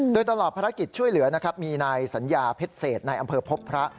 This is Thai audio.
โดยตลอดภารกิจช่วยเหลือมีนายสัญญาเพศเศสนายอำเภอพบพระ